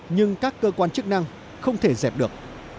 nhưng các cơ quan chức năng không thể dẹp được